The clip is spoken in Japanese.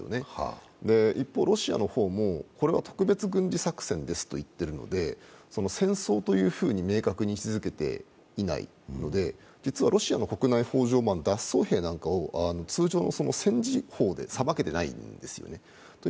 一方、ロシアの方もこれは特別軍事作戦ですと言っているので戦争と明確に位置づけていないので、実はロシアの国内法上、脱走兵なんかを通常の戦時法で裁けていないんですね。